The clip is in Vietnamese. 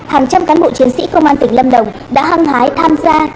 hàng trăm cán bộ chiến sĩ công an tỉnh lâm đồng đã hăng hái tham gia